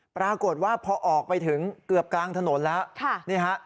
ปรากฏว่าพอออกไปถึงเกือบกลางถนนแล้วนี่ฮะ